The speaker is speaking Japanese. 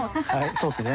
そうですね。